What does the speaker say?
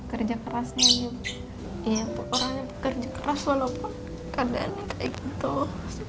iya orangnya pekerja keras walaupun keadaannya kayak gitu